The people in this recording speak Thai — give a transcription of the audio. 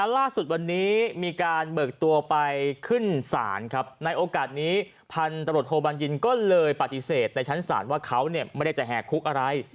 ล่าสุดวันนี้มีการเบิกตัวไปขึ้นศาลครับในโอกาสนี้พันตรวจโทบัญญินก็เลยปฏิเสธในชั้นศาลว่าเขาไม่ได้จะแหกคุกอะไร